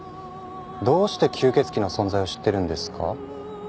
どうして吸血鬼の存在を知ってるんですか？